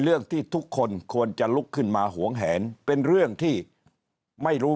เรื่องที่ทุกคนควรจะลุกขึ้นมาหวงแหนเป็นเรื่องที่ไม่รู้